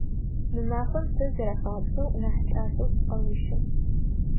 Мы мафэм сэ, зэрэхабзэу, нахь кӏасэу сыкъэущы.